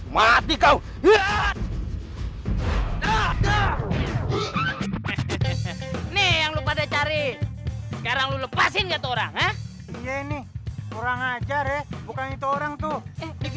mati kau ya nih yang lupa dicari sekarang lepasin orang orang aja bukan itu orang tuh